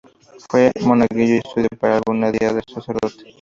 Fue monaguillo y estudió para algún día ser sacerdote.